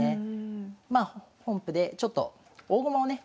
まあ本譜でちょっと大駒をね